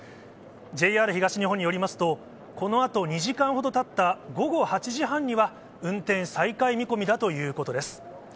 ＪＲ東日本によりますと、このあと２時間ほどたった午後８時半には、運転再開見込みだということです。